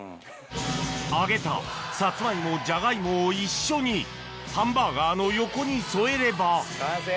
揚げたサツマイモジャガイモを一緒にハンバーガーの横に添えれば完成。